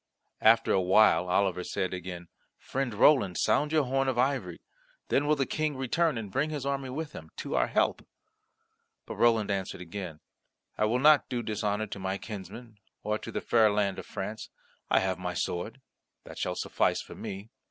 After a while, Oliver said again, "Friend Roland sound your horn of ivory. Then will the King returns and bring his army with him, to our help." But Roland answered again, "I will not do dishonour to my kinsmen, or to the fair land of France. I have my sword; that shall suffice for me.